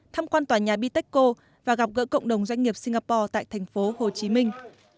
tham quan tòa nhà biteco và gặp gỡ cộng đồng doanh nghiệp singapore tại thành phố hồ chí minh